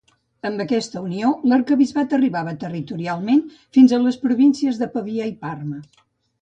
Amb aquesta unió l'arquebisbat arribava territorialment fins a les províncies de Pavia i Parma.